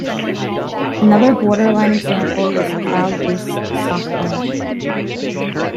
Another borderline example is cloud based software.